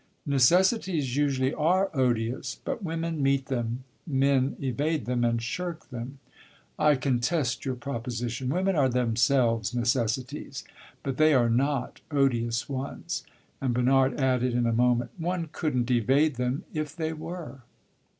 "Necessities usually are odious. But women meet them. Men evade them and shirk them." "I contest your proposition. Women are themselves necessities; but they are not odious ones!" And Bernard added, in a moment, "One could n't evade them, if they were!"